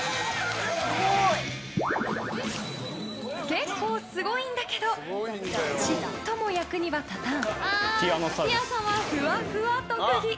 結構すごいんだけどちっとも役には立たんふわふわ特技。